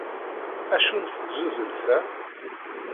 Acu n tzulelt-a?